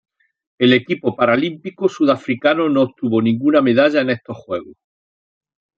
El equipo paralímpico sudafricano no obtuvo ninguna medalla en estos Juegos.